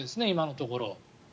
今のところ。